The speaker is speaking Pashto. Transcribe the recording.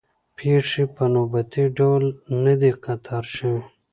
پېښې په نوبتي ډول نه دي قطار شوې.